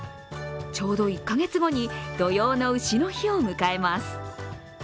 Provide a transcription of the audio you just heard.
ちょうど１カ月後に、土用の丑の日を迎えます。